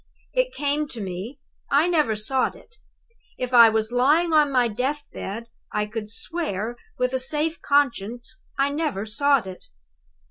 "It came to me I never sought it. If I was lying on my death bed, I could swear, with a safe conscience, I never sought it.